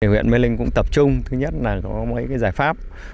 huyện mê linh cũng tập trung thứ nhất là có mấy giải pháp